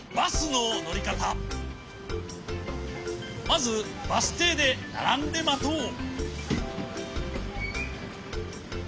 まずバスていでならんでまとう。